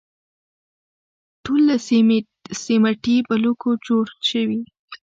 ټول له سیمټي بلوکو جوړ شوي.